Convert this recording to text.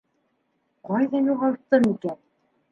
Ҡайҙа юғалттым икән?